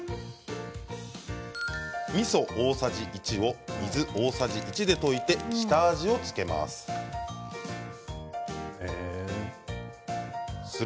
みそ大さじ１を水、大さじ１で溶いて下味を付けます。